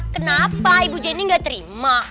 kenapa ibu jenny nggak terima